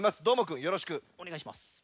どーもくんよろしくおねがいします。